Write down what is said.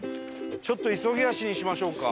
ちょっと急ぎ足にしましょうか。